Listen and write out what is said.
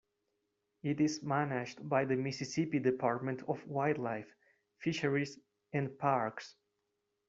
It is managed by the Mississippi Department of Wildlife, Fisheries and Parks.